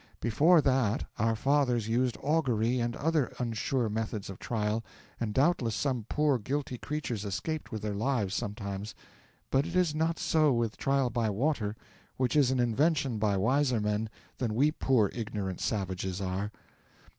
Before that our fathers used augury and other unsure methods of trial, and doubtless some poor guilty creatures escaped with their lives sometimes; but it is not so with trial by water, which is an invention by wiser men than we poor ignorant savages are.